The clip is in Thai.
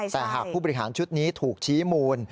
แต่หากผู้บริหารชุดนี้ถูกชี้มูล